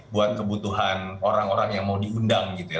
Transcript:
buat kebutuhan orang orang yang mau diundang gitu ya